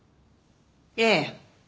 ええ。